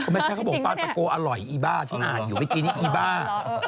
ไม่ใช่เขาบอกบ้านตะโกอร่อยอีบ้าฉันอ่านอยู่เมื่อกี้นี่อีบ้า